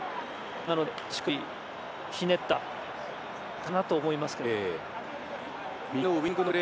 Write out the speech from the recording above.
なので、足首ひねったかなと思いますけど。